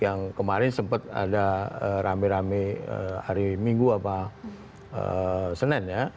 yang kemarin sempat ada rame rame hari minggu apa senin ya